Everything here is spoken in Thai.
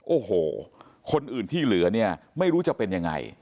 โอ้โหคนอื่นที่เหลือเนี่ยไม่รู้จะเป็นยังไง